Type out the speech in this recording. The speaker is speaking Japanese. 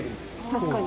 確かに。